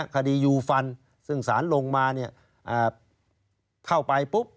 คดียูฟันซึ่งสารลงมาเข้าไปปุ๊บ